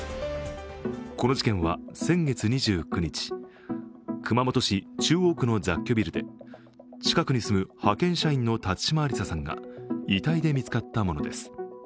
この事件は先月２９日熊本市中央区の雑居ビルで近くに住む派遣社員の辰島ありささんが遺体で見つかったものです。